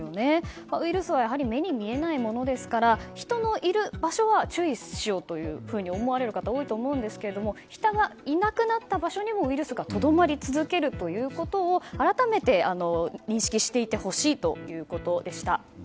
ウイルスはやはり目に見えないものですから人のいる場所は注意しようと思われる方が多いと思うんですが人がいなくなった場所にもウイルスがとどまり続けるということを改めて認識していってほしいということでした。